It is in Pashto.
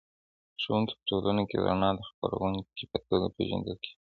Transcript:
ښوونکی په ټولنه کې د رڼا د خپروونکي په توګه پېژندل کېږي.